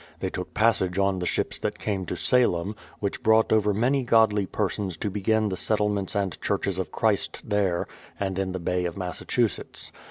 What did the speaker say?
They took pas sage on the ships that came to Salem, which brought over many godly persons to begin the settlements and churches of Christ there and in the Bay of Massachusetts.